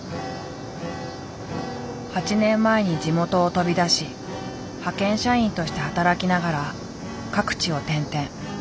８年前に地元を飛び出し派遣社員として働きながら各地を転々。